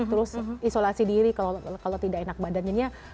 terus isolasi diri kalau tidak enak badannya